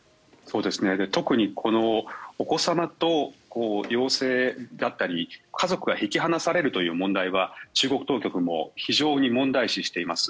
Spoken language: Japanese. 特にお子様と家族が引き離されるという問題は中国当局は非常に問題視しています。